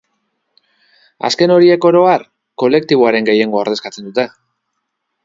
Azken horiek, oro har, kolektiboaren gehiengoa ordezkatzen dute.